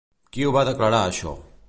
Qui ho va declarar això?